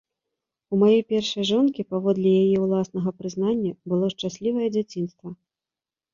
У маёй першай жонкі, паводле яе ўласнага прызнання, было шчаслівае дзяцінства.